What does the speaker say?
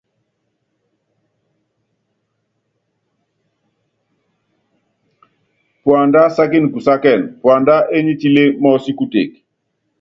Puandá sákíni kusákíni, puandá ényítilé mɔɔ́sí kuteke.